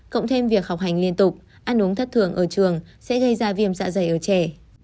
cộng thêm việc học hành liên tục ăn uống thất thường ở trường sẽ gây ra viêm dạ dày ở trẻ